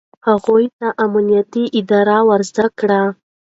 هغوی ته امانت داري ور زده کړئ.